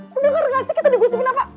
lo udah ngareng asik kita digusumin apa